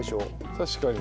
確かに。